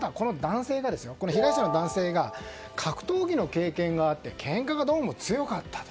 被害者の男性が格闘技の経験があってけんかが、どうも強かったと。